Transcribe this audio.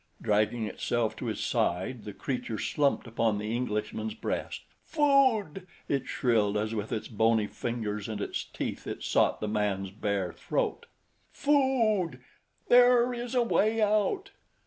Dragging itself to his side the creature slumped upon the Englishman's breast. "Food!" it shrilled as with its bony fingers and its teeth, it sought the man's bare throat. "Food! There is a way out!"